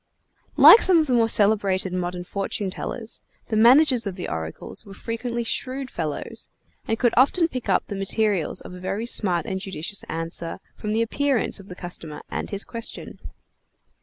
_ Like some of the more celebrated modern fortune tellers, the managers of the oracles were frequently shrewd fellows, and could often pick up the materials of a very smart and judicious answer from the appearance of the customer and his question.